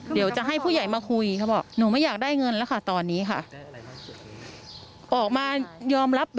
เดี๋ยวจะให้ผู้ใหญ่มาคุยเขาบอกหนูไม่อยากได้เงินแล้วค่ะตอนนี้ค่ะ